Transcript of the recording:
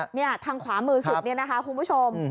เนี่ยทางขวามือสุดเนี่ยนะคะคุณผู้ชม